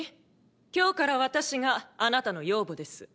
今日から私があなたの養母です。